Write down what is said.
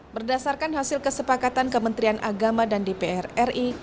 berdasarkan hasil kesepakatan kementerian agama dan dpr ri